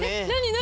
何？